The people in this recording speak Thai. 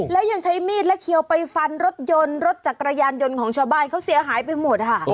แล้วยังใช้มีดและเขียวไปฟันรถยนต์รถจักรยานยนต์ของชาวบ้านเขาเสียหายไปหมดค่ะ